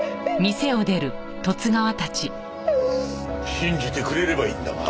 信じてくれればいいんだが。